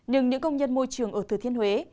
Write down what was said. nhưng những công nhân môi trường ở thừa thiên huế